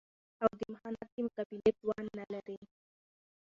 او د محنت د مقابلې توان نه لري